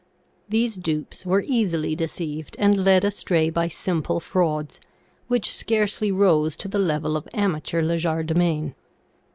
These dupes were easily deceived and led astray by simple frauds, which scarcely rose to the level of amateur legerdemain.